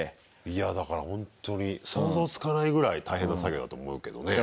いやだからほんとに想像つかないぐらい大変な作業だと思うけどね。